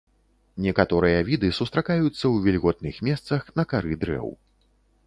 Некаторыя віды сустракаюцца ў вільготных месцах на кары дрэў.